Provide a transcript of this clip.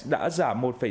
đã giả một sáu